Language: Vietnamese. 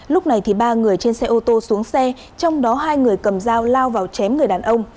lúc này ba người trên xe ô tô xuống xe trong đó hai người cầm dao lao vào chém người đàn ông